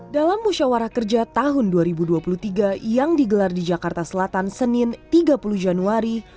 dalam musyawarah kerja tahun dua ribu dua puluh tiga yang digelar di jakarta selatan senin tiga puluh januari